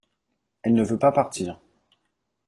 Elle ne veut pas partir.